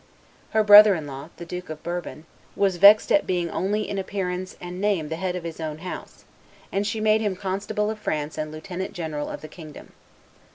Her brother in law, the Duke of Bourbon, was vexed at being only in appearance and name the head of his own house; and she made him constable of France and lieutenant general of the kingdom.